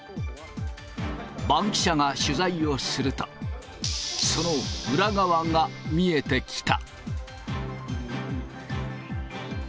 バンキシャが取材をすると、その裏側が見えてきた。